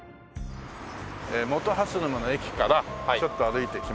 本蓮沼の駅からちょっと歩いてきまして。